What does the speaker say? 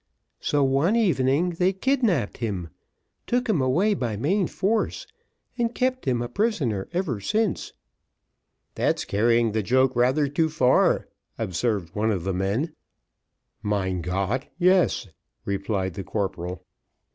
So one evening, they kidnapped him, took him away by main force, and kept him a prisoner ever since." "That's carrying the joke rather too far," observed one of the men. "Mein Gott! yes," replied the corporal.